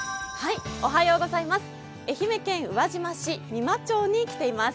愛媛県宇和島市三間町に来ています。